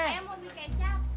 saya mau ambil kecap